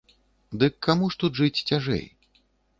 Дык каму ж тут жыць цяжэй.